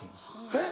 えっ？